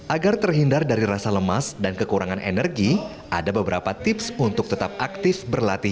agar terhindar dari rasa lemas dan kekurangan energi ada beberapa tips untuk tetap aktif berlatih